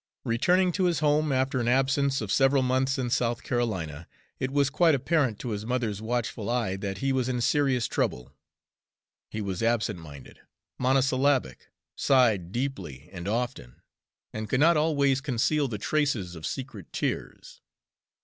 Returning to his home, after an absence of several months in South Carolina, it was quite apparent to his mother's watchful eye that he was in serious trouble. He was absent minded, monosyllabic, sighed deeply and often, and could not always conceal the traces of secret tears.